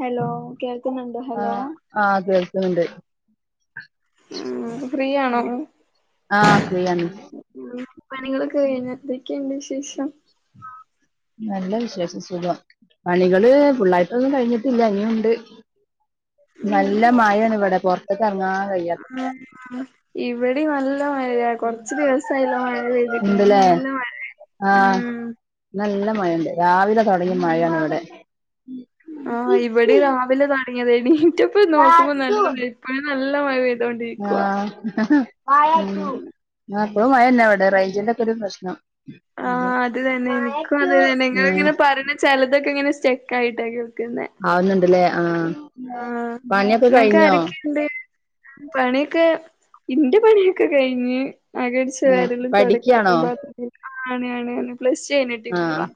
Hello കേൾക്കുന്നുണ്ട് ആ hello? ആ കേൾക്ക്ന്ന്ണ്ട് ഏഹ് ഫ്രീയാണോ? ഉം ആ ഫ്രീയാണ് പണികളൊക്കെ കഴിഞ്ഞ എന്തക്കെയുണ്ട് വിശേഷം? നല്ല വിശേഷം സുഖം പണികള് ഫുള്ളായിട്ടൊന്നും കഴിഞ്ഞിട്ടില്ല ഇനിയുണ്ട്. നല്ല മഴാണ് ഇവടെ പൊർത്ത്ക്ക് എർങ്ങാൻ കഴിയാത്ത മഴ. ഉം ഇവടിം നൽ നല്ല മഴ കൊർച്ച് ദിവസായല്ലോ മഴ പെയ്തിട്ടില്ല ഉണ്ടല്ലേ നല്ല മഴ ആ ഉം നല്ല മഴണ്ട് രാവിലെ തൊടങ്ങിയ മഴയാണ് ഇവടെ. ആ ഇവിടെ രാവിലെ തൊടങ്ങിയതേനി എണീറ്റപ്പം ആ നോക്കുമ്പോ നല്ല വെ ഇപ്പഴും നല്ല മഴ [unintelligible] ആഹ് ഉം ആ ഇപ്പളും മഴന്നവടെ റൈഞ്ചിന്റെ ഒക്കെ ഒരു പ്രശ്നം ആ അത് തന്നെ എനിക്കും അത് തന്നെ ഇങ്ങള് ഉം ഇങ്ങനെ പറിണേ ചെലതൊക്കെ ഇങ്ങനെ സ്റ്റക്ക് ആയിട്ടാ കേൾക്ക്ന്നേ. ആവുന്ന്ണ്ടല്ലേ ആ പണിയക്കെ കഴിഞ്ഞോ? [unintelligible] പണിയക്കെ ഇന്റെ പണിയൊക്കെ കഴിഞ്ഞ്. അകട്ച്ച് ഏ വാരലും പഠിക്കാണോ തൊടക്കലും പാത്രം [unintelligible] ആ ആണ് ആണ് ആണ് പ്ലസ് ടു കഴിഞ്ഞിട്ട് ആഹ് ഇരിക്കുവാ.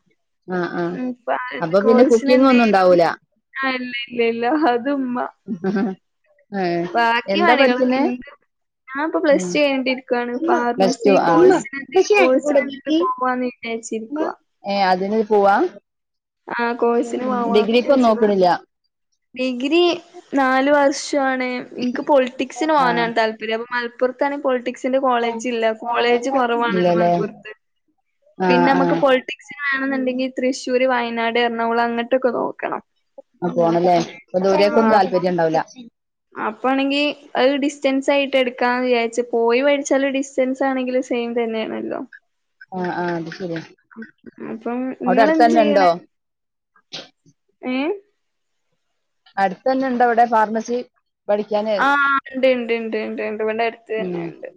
ആഹ് ആഹ് ഉം ഇപ്പഹ് അപ്പൊ പിന്നെ കോഴ്സിന് കുക്കിംഗ് ഒന്നും എന്തേലും ഉണ്ടാവൂല അഹ്ല്ല ഇല്ല ഇല്ല അത്മ്മ ഏ എന്താ പഠിക്കുന്നേ? ഞാ ഇപ്പൊ പ്ലസ് ഉം ടു കഴിഞ്ഞിട്ടിരിക്കാണ് പ്ലസ് ടു ഫാർമസി ആഹ് കോഴ്സിന് എന്തേലും കോഴ്സിന് എന്തിനേങ്കിലും പോവാന്ന് വിചാരിച്ചിരിക്കുവ ഏഹ് അതിന് പോവാ ആഹ് കോഴ്സിന് പോവാന്ന് ഡിഗ്രിക്കൊന്നും വിചാരിച്ചിക്കുവാ നോക്ക്ണില്ല ഡിഗ്രി നാല് വർഷാണ് എനിക്ക് പൊളിറ്റിക്സിന് ആഹ് പോകാനാണ് താല്പര്യം അപ്പൊ മല പ്പുറത്താണ് പോളിറ്റിക്സിന്റെ കോളേജ് ഇള്ളെ കോളേജ് കൊറവാണല്ലോ ഇല്ലല്ലേ മലപ്പുറത്ത്? ആഹ് പിന്നെ നമക്ക് ആഹ് പോളിറ്റിക്സിന് വേണെന്നുണ്ടെങ്കി തൃശ്ശൂർ, വയനാട്, എറണാകുളം, അങ്ങട്ടൊക്കെ നോക്കണം ആ പോണംല്ലേ? അപ്പൊ ആഹ് ദൂരേക്കൊന്നും അപ്പം താല്പര്യം ഇണ്ടാവൂല്ല? അപ്പാണെങ്കി അത് ഡിസ്റ്റൻസ് ആയിട്ട് എടുക്കാന്ന് വിചാരിച്ചു പോയി പഠിച്ചാല് ഡിസ് റ്റെൻസ് ആണെങ്കിലും സെയിം തന്നെയാണല്ലോ? ആഹ് ആഹ് അത് ശരിയാ അപ്പം അവിടെ അടുത്ത് ഇങ്ങെളെന്ത് തന്നെ ഉണ്ടോ ചെയ്യ്ണെ? ഏഹേ? അടുത്തന്നെ ഇണ്ടോ അവിടെ ഫാർമസി? പഠിക്കാന് ആ ഇണ്ട് ഇണ്ട് ഇണ്ട് ഉണ്ട് ഉണ്ട് ഇവിടെ അടുത്ത് തന്നെ ഉം ഇണ്ട്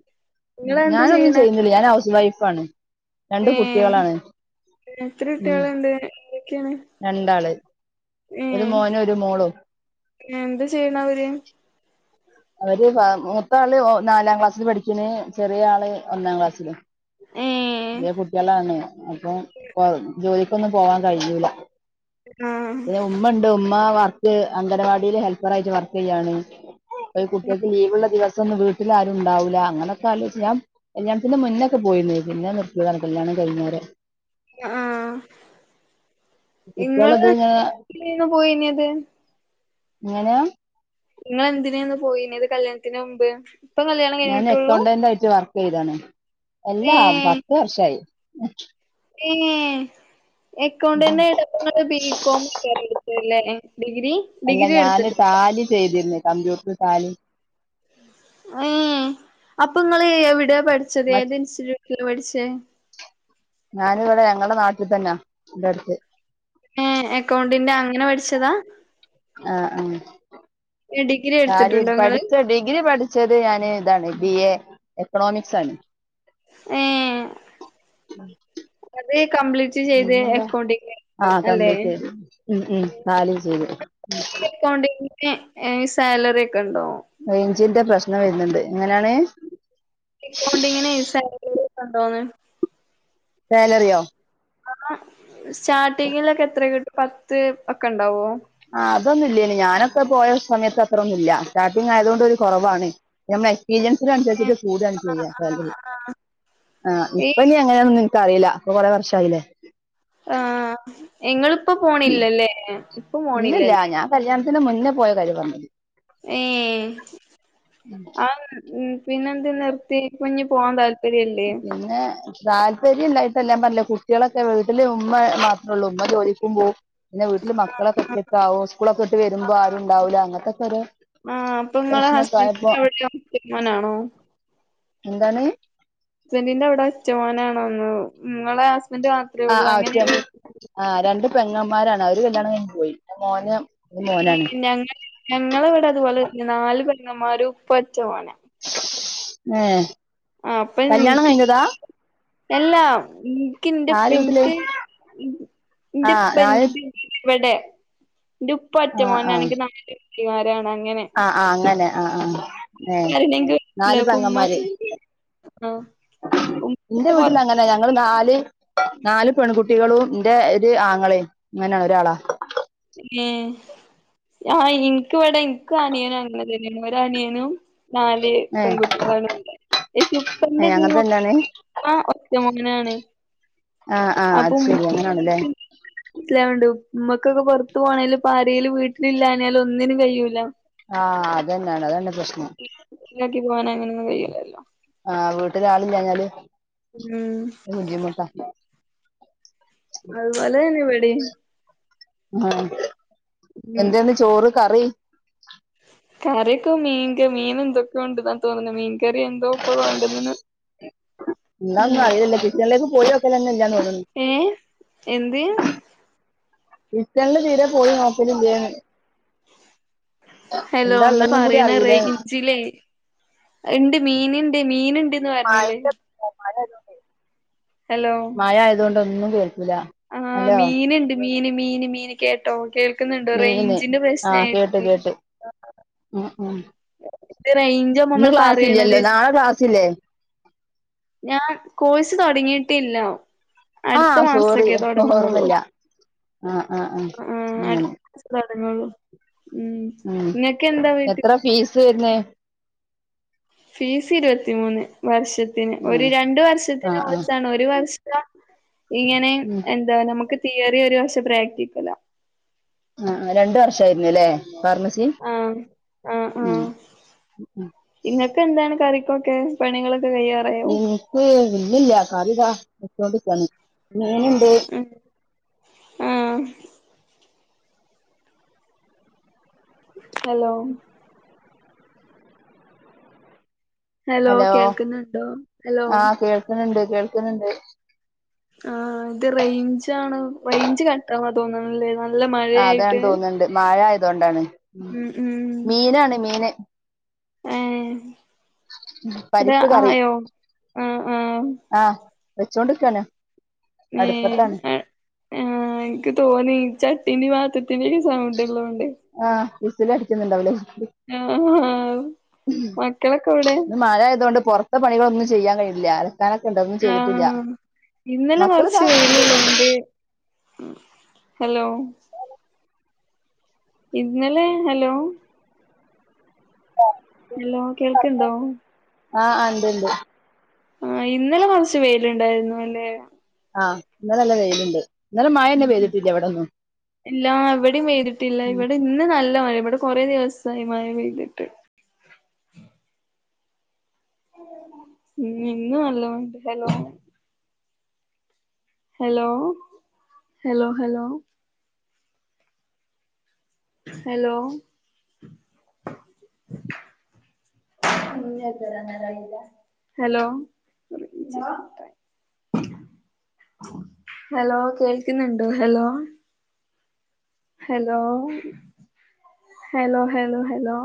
ഞാനൊന്നും ചെയ്യുന്നില്ല ഞാൻ ഹൗസ് വൈഫാണ് രണ്ട് ഏഹ് കുട്ടികളാണ് എത്ര ഉം കുട്ടികള്ണ്ട്? എന്തക്കെയാണ്? രണ്ടാള് ഒരു ഏഹേ മോനും ഒരു മോളും എന്ത് ചെയ്യണവര്? അവര് മൂത്താള് നാലാം ക്ലാസ്സില് പഠിക്ക്ണ് ചെറിയ ആള് ഒന്നാം ക്ലാസ്സിലും ഏ ചെറിയ കുട്ടിയളാണ് അപ്പം കൊ ജോലിക്കൊന്നും പോവാൻ കഴിയൂല ആഹ് ഉമ്മണ്ട് ഉമ്മ വർക്ക് അംഗൻവാടില് ഹെൽപ്പറായിട്ട് വർക്ക് ചെയ്യാണ് ഒരു കുട്ടി ലീവ് ഇള്ള ദിവസൊന്നും വീട്ടില് ആരും രുംണ്ടാവൂല്ല അങ്ങനൊക്കെ ആലോചിച്ച് ഞാൻ കല്യാണത്തിന്റെ മുന്നൊക്കെ പോയിരുന്നു പിന്നെ നിർത്തിയതാണ് കല്യാണം കഴിഞ്ഞേരെ ആഹ് കുട്ടികളത് ഇങ്ങള് ഇങ്ങനെ എന്ത് വർക്കിനേന്നു പോയിനത്? എങ്ങനെ? ഇങ്ങള് എന്തിനേന്നു പോയിനത് കല്യാണത്തിന് മുമ്പ്? ഇപ്പം കല്യാണം ഞാന് കഴിഞ്ഞിട്ടുള്ളൂ അക്കൗണ്ടന്റായിട്ട് വർക്ക് ചെയ്താണ് ഏ എല്ലാ പത്ത് വർഷായി ഏഹേ എക്കൗണ്ടന്റെ ആയിട്ട് അപ്പ ഇങ്ങൾ ബി കോം ഏക്കാരം എടുത്തല്ലേ? ഡിഗ്രി? ഡിഗ്രി എടുത്തിട്ടു കോഴ്സ് ചെയ്തിരുന്ന് കമ്പ്യൂട്ടർ ടാലി ഏഹേ അപ്പൊ ഇങ്ങള് എവിടെയ പഠിച്ചത്? ഏത് ഇൻസ്റ്റിറ്റ്യൂട്ടില പഠിച്ചേ? ഞാനിവിടെ ഞങ്ങളെ നാട്ടിതന്നാ ഇവിടെ അടുത്ത് ഏഹേ എക്കൗണ്ടിന്റെ അങ്ങനെ പഠിച്ചതാ? ആഹ് ആ ഡിഗ്രി ടാലി എടുത്തിട്ടുണ്ടോ ഇങ്ങള് പഠിച്ച ഡിഗ്രി പഠിച്ച ച്ചത് ഞാന് ഇതാണ് ബി എ എക്കണോമിക്സാണ് ഏഹേ അത് കംപ്ലീറ്റ് ചെയ്ത് പിന്നെന്താ? അക്കൗണ്ടിങ് ആഹ് അല്ലേ കംപ്ലീറ്റ് ചെയ്ത് ഉം ഉം ടാലിം ചെയ്തു അക്കൗണ്ടിങ്ങിന് സാലറിയൊക്കെണ്ടോ? റെയ്ഞ്ചിന്റെ പ്രശ്നം വരുന്ന്ണ്ട് എങ്ങനെയാണ്? എക്കൗണ്ടിങ്ങിന് സാലറി ഉണ്ടോന്ന്. സാലറിയോ. ആഹ് സ്റ്റാർട്ടിങ്ങിലൊക്കെ എത്രകിട്ടും പത്ത് ഒക്കെണ്ടാവോ. ആഹ് അതൊന്നില്ലനി ഞാനൊക്കെ പോയ സമയത്ത് അത്രൊന്നുല്ല സ്റ്റാർട്ടിങ് ആയതൊണ്ട് ഒരു കൊറവാണ്. നമ്മളെ ഏ എക്സ്പീരിയൻസിനനുസരിച്ചിട്ട് കൂടാണ് ചെയ്യ സാലറി. ആഹ് ഈ ഇപ്പഞ്ഞ് എങ്ങനെന്നൊന്നു ഇൻക്കറില ഇപ്പൊ കൊറേ വർഷായിലേ. ആഹ് ഇങ്ങളിപ്പോ പോണില്ലല്ലേ ഇപ്പ ഇല്ലില്ല പോണില്ലല്ലേ. ഞാൻ കല്യാണത്തിന് മുന്നേ പോയ കാര്യ പർഞേ. ഏഹ് ആഹ് ഉം. പിന്നെന്ത് നിർത്തി പ്പഞ്ഞ് പോവാൻ താല്പര്യല്ലേ. പിന്നെ. താല്പര്യല്ലായിട്ടല്ലാ ഞാൻ പർഞ്ഞിലേ കുട്ട്യളൊക്കെ വീട്ടില് ഉമ്മ മാത്രള്ളൂ ഉമ്മ ജോലിക്കും പോവും. പിന്നെ വീട്ടില് ആ മക്കളൊക്കെ ആ ഒറ്റക്കാവും സ്കൂളൊക്കെ ഇട്ട് വരുമ്പൊ ആ ആരുണ്ടാവൂല അങ്ങൻത്തൊക്കൊരു. പ്രശ്നക്കായപ്പോ. [unintelligible] ആണോ. എന്താണ്. ഹസ്ബന്റിന്റവ്ടെ ഒറ്റമോനാണോന്ന് നിങ്ങളെ ഹസ് ആഹ് ആഹ് ഒറ്റ അഹ് രണ്ട് പെങ്ങന്മാരാണ് അവര് കല്യാണം കയിഞ്പോയി ന്നെ മോന്. ഒരു ഈ മോനാണ് ഞങ്ങ ഞങ്ങളവടെ അതുപോലെന്നെ നാല് പെങ്ങമ്മാരു ഉപ്പ ഒറ്റ മോനാ. ഏഹ് ആഹ് അപ്പൊ കല്യാണം നിൻക്ക് കയിഞ്ഞതാ. എല്ലാ ഇൻക്ക് ഇന്റപ ആരെ വീട്ടില് ഇൻക്ക് ആ നാല് ഇന്റെപ്പന്റെ. ഇവടെ ന്റുപ്പ ആ അറ്റമോനാണെങ്കി നല് അനിയത്തിമാരാണ് അങ്ങനെ. ആഹ് ആഹ് അങ്ങനെ ആഹ് ആഹ് ഏഹ് നാല് പെങ്ങമ്മാര്. ആഹ്. ൻ്റെ വീട്ടിലങ്ങ ന്നെ ഞങ്ങള് നാല് നാല് പെൺകുട്ടികളും ന്റെ ഒരു ആങ്ങളി ങ്ങനെ ഒരാളാ. ഏഹ് ആ ഇൻക്ക് വടെ ഇൻക്ക് അനിയനള്ളത് [unintelligible] ഒരനിയനും. നാല് ഏ പെൺകുട്ടികളാണല്ല ഏ എൻ്റുപ്പതീ അങ്ങനെ തന്നെയാണ് നോക്കുവാണെങ്കി. ആ ഒറ്റമോനാണ്. ആഹ് ആഹ് അത് ശെരി അങ്ങനാണ്ലേ. ഇല ഉണ്ട് ഉമ്മക്കൊക്കെ പൊർത്തു പോവണേല് പാരേലും വീട്ടിലില്ലാഞ്ഞാലു ഒന്നിനും കഴിയൂല. ആഹ് അതന്നാണ് അതന്നെ പ്രശ്നം. ഇല്ലാക്കിത് പോകാന അങ്ങനൊന്നും കയ്യൂലല്ലോ. ആഹ് വീട്ടിലാളില്ലാഞ്ഞാല് ഉം ബുദ്ധിമുട്ടാ. അത്പോലെന്നെ ഇവടിം. ആ ഉം എന്തേന്ന് ചോറ് കറി. കറിയൊക്കെ മീൻ്റെ മീന് എന്തൊക്കൊണ്ട്ന്ന തോന്ന്ണ മീൻ കറി എന്തോ ഇപ്പൊ കൊണ്ടന്ന്ണ്. എന്താന്നും ഉം അറിയലില്ല കിച്ചണിലേക്ക് പോയോക്കലന്നെല്ല തോന്നുന്നു. ഏഹ് എന്ത്. കിച്ചൺല് തീരെ പോയി നോക്കലില്ലേ. ഹലോ എന്താ ഇങ്ങ ഉള്ളതെന്നും കൂടി പറയ്ണ അറിയൂലേന്ന് റേഞ്ചിലേ ഉണ്ട് മീന്ണ്ട് മീന്ണ്ട്. [unintelligible] ആയതോണ്ടേ. ഹലോ മയായതോണ്ട് ഒന്നും കേക്കൂല ആഹ് ഹലോ. മീന്ണ്ട് മീന് മീന് മീന് കേട്ടോ കേൾക്കുന്നുണ്ടോ മീന് റേഞ്ചിന്റെ പ്രശ്നായിട്ടെ. ഉം ഉം ഇത് റേഞ്ചാ ഇന്ന് നമ്മൾ ക്ലാസ്സ്ല്ലല്ലോ പറയണത് നാളെ ക്ലാസ്സ്ല്ലേ. ഞാൻ കോഴ്സ് തുടങ്ങിയിട്ടില്ല. അടുത്ത ആഹ് സോറി മാസൊക്കെ തുടങ്ങുന്നുള്ളൂ ഓർമ്മല്ല ആഹ് ആഹ് ആഹ് മം അങ്ങനെ അടുത്ത മാസം തൊടങ്ങോള്ളു മം എത്ര ഫീസ് വരുന്നെ ഫീസ് ഇരുപത്തിമൂന്ന് വർഷത്തിന് ആ ഒരു രണ്ട് വർഷത്തിന് ആഹ് ആഹ് കുറിച്ചാണ് ഒരു വർഷം ഇങ്ങനെ ഉം എന്താ നമുക്ക് തിയറി, ഒരു വർഷം പ്രാക്ടിക്കലാ ആഹ് രണ്ട് വർഷവര്ന്നത്ല്ലേ ഫാർമസി ആഹ് മം ഇങ്ങൾക് എന്താണ് കറിക്കൊക്കെ പണികളൊക്കെ കയ്യ എനിക്ക്, ഇല്ലില്ല കറി താ വച്ചോണ്ട് ക്കാണ് മീൻ ഇണ്ട് മം ഹലോ ഹലോ കേൾക്കുന്നുണ്ടോ ഹലോ ആഹ് കേൾക്കുന്നുണ്ട് കേൾക്കുന്നുണ്ട് ആഹ് ഇത് റേഞ്ചാണ് റേഞ്ച് കട്ടാവാ തോന്നുന്നില്ലേ ആഹ് അതാണ് തോന്നുന്നുണ്ട് മഴ ആയത് കൊണ്ടാണ്, ഉം ഉം മീനാണ് മീന് ഏഹ് ഇത് പരിപ്പ് കറി ആയോ ആ ആ ആഹ് വെച്ചോണ്ടിരിക്കാണ് ഏഹ് ആ എനിക്ക് തോന്നി ചട്ടീന്റെ പാത്ര ത്തിന്റിം സൗണ്ട്ല്ലോണ്ട് ആഹ് ഫിസില് അടിക്കുന്നുണ്ടാവുലേ മം ആഹ് മക്കളൊക്കെ എവിടെ ഇന്ന് മഴയതുകൊണ്ട് പുറത്ത് ഇപ്പോ പണികളൊന്നും ചെയ്യാൻ കഴിയില്ല. അലക്കാനൊക്കെ ഉണ്ട് അതോന്നും ചെയ്തിട്ടില്ല, ആഹ് ഇന്നലെ മക്കള് കൊറച്ച് താ വെയിലുള്ളോണ്ട് ഹലോ ഇന്നലെ, ഹലോ ഹലോ കേൾക്ണ്ടോ? ആഹ് ഉണ്ട് ഉണ്ട് ആഹ് ഇന്നലെ കുറച്ച് വെയിലുണ്ടായിരുന്നു അല്ലെ? ആഹ് ഇന്നലെ നല്ല വെയിലുണ്ട്. ഇന്നലെ മഴന്നെ മം. പെയ്തിട്ടില്ല ഇവിടൊന്നും ഇല്ല ഇവിടെയും പെയ്തിട്ടില്ല ഇവിടെ ഇന്ന് നല്ല മഴ ഇവിടെ കുറെ ദിവസമായി മഴ പെയ്തിട്ട്. ഉം ഇന്ന് നല്ലോംണ്ട്. Hello hello hello hello hello hello hello കേൾക്കുന്നുണ്ട് hello hello hello hello hello